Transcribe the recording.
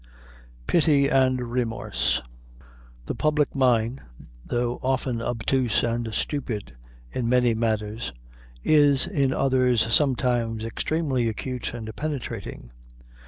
Pity and Remorse. The public mind, though often obtuse and stupid in many matters, is in others sometimes extremely acute and penetrating.